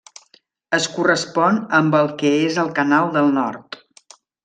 Es correspon amb el que és el Canal del Nord.